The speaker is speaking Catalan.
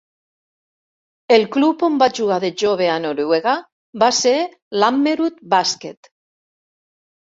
El club on va jugar de jove a Noruega va ser l'Ammerud Basket.